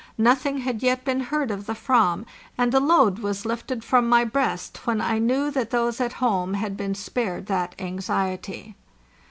Nothing had yet been heard of the /vam, and a load was lifted from my breast when I knew that those at home had been spared that anxiety.